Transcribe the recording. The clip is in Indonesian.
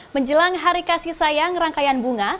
menjelang hari kasih sayang rangkaian bunga